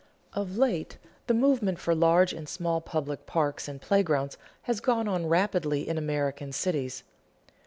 Of late the movement for large and small public parks and playgrounds has gone on rapidly in American cities.